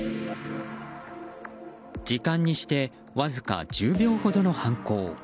時間にしてわずか１０秒ほどの犯行。